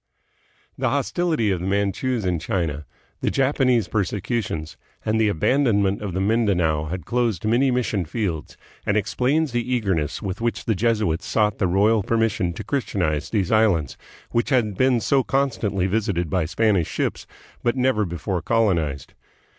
The hostility of the Manchus in China, the Japanese per secutions, and the abandonment of Mindanao had closed many mission fields, and explains the eagerness with which the Jesuits sought the royal permission to Christianize these islands, which had been so constantly visited by Spanish ships but never before colonized.